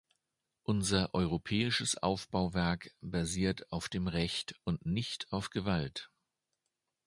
Unser europäisches Aufbauwerk basiert auf dem Recht und nicht auf Gewalt.